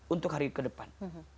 untuk hari ke depan